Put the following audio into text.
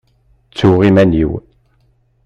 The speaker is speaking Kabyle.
Ttuɣ iman-iw.